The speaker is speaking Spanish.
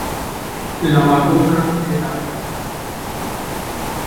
La vacuna Tdap